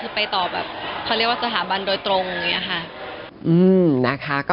ก็ไปต่อสถาบัน